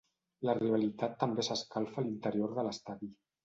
La rivalitat també s"escalfa a l"interior de l"estadi.